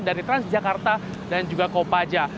dari transjakarta dan juga kopaja